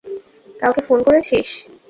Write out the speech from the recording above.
কাউকে ফোন করেছিস?